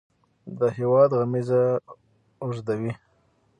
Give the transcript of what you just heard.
د هیواد غمیزه اوږدوي.